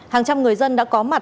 hàng trăm người dân đã có mặt